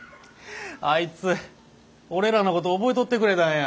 あいつ俺らのこと覚えとってくれたんや。